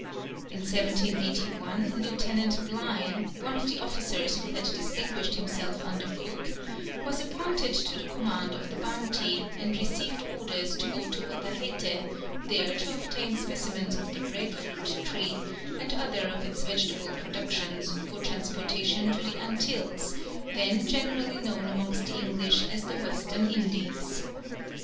In 1781 Lieutenant Bligh, one of the officers who had distinguished himself under Cook, was appointed to the command of the Bounty, and received orders to go to Otaheite, there to obtain specimens of the breadfruit tree and other of its vegetable productions for transportation to the Antilles, then generally known amongst the English as the Western Indies.